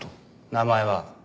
名前は？